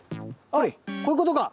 あっこういうことか！